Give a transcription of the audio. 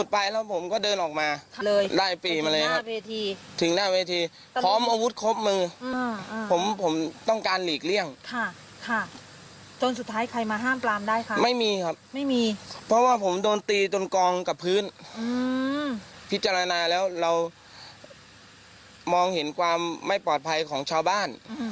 ปิจารณาแล้วมองเห็นความไม่ปลอดภัยของชาวบ้าน